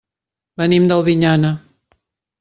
Venim d'Albinyana.